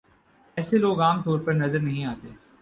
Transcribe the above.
ایسے لوگ عام طور پر نظر نہیں آتے ۔